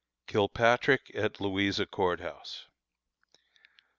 KILPATRICK AT LOUISA COURT HOUSE.